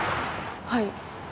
はい。